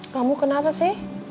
kamu kenapa sih